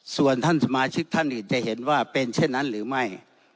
ส่วนท่านสมาชิกท่านอื่นจะเห็นว่าเป็นเช่นนั้นหรือไม่